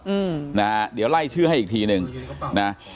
อืมนะฮะเดี๋ยวไล่ชื่อให้อีกทีหนึ่งนะ